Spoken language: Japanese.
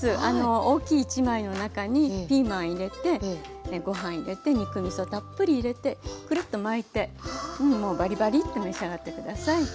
大きい１枚の中にピーマン入れてご飯入れて肉みそたっぷり入れてくるっと巻いてもうバリバリッて召し上がって下さい。